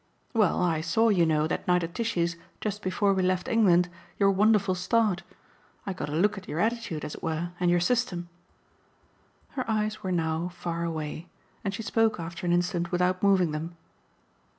"Well, I saw, you know, that night at Tishy's, just before we left England, your wonderful start. I got a look at your attitude, as it were, and your system." Her eyes were now far away, and she spoke after an instant without moving them.